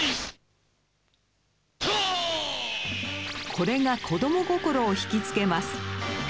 これが子ども心を惹きつけます。